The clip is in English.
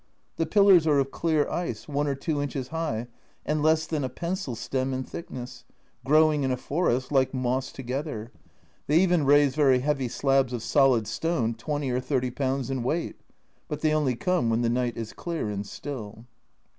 The pillars are of clear ice, i or 2 inches high, and less than a pencil stem in thickness, growing in a forest like moss together. They even raise very heavy slabs of solid stone 20 or 30 pounds in weight, but they only come when the night is clear and still.